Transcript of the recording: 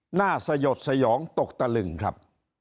หน้าสยดสยองตกตะลึงครับ